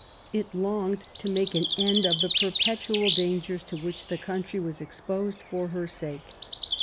It longed to make an end of the perpetual dangers to vsrhich the country was exposed for her sake.